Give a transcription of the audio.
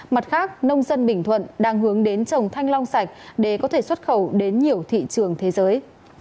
mặt khác nông dân bình thuận đang hướng đến trồng thanh long sạch để có thể xuất khẩu đến nhiều thị trường thế giới